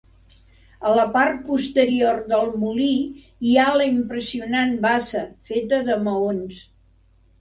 A la part posterior del molí, hi ha la impressionant bassa, feta de maons.